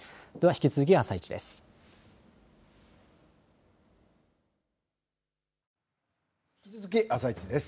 引き続き「あさイチ」です。